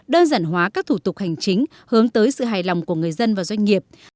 đơn giản hóa các thủ tục hành chính hướng tới sự hài lòng của người dân và doanh nghiệp